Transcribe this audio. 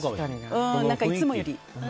いつもより。